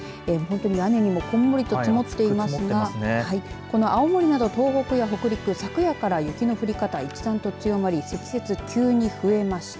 屋根にもこんもりと積もっていますが青森など東北や北陸、昨夜から雪の降り方、一段と強まり積雪、急に増えました。